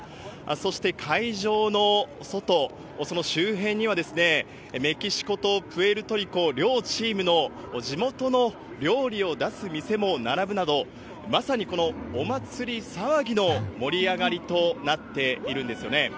そして会場の外、その周辺には、メキシコとプエルトリコ両チームの地元の料理を出す店も並ぶなど、まさにこのお祭り騒ぎの盛り上がりとなっているんですよね。